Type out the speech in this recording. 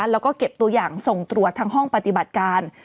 แล้วก็เก็บตัวอย่างส่งตรวจทางห้องปฏิบัติการ